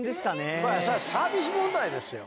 サービス問題ですよ。